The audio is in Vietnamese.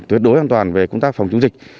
tuyệt đối an toàn về công tác phòng chống dịch